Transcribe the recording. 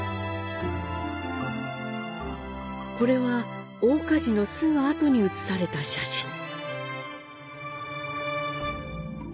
これは大火事のすぐあとに写された写真。